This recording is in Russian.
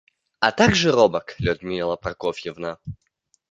А также робок, Людмила Прокофьевна.